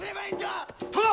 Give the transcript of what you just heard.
殿！